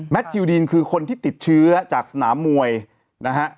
ทิวดีนคือคนที่ติดเชื้อจากสนามมวยนะฮะ